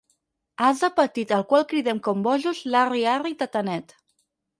Ase petit al qual cridem com bojos l'arri arri tatanet.